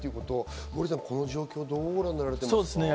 モーリーさん、この状況をどうご覧になられますか？